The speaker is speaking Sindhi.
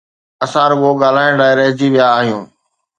اسان رڳو ڳالهائڻ لاءِ رهجي ويا آهيون.